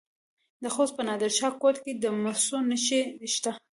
د خوست په نادر شاه کوټ کې د مسو نښې شته.